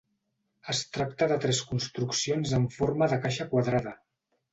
Es tracta de tres construccions en forma de caixa quadrada.